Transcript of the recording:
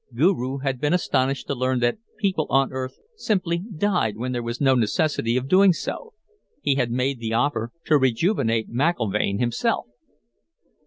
Guru had been astonished to learn that people on Earth simply died when there was no necessity of doing so; he had made the offer to rejuvenate McIlvaine himself.